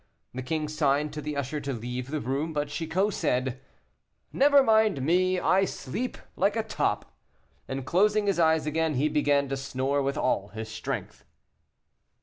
The king signed to the usher to leave the room, but Chicot said, "Never mind me, I sleep like a top," and closing his eyes again, he began to snore with all his strength.